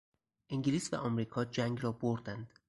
انگلیس و امریکا جنگ را بردند.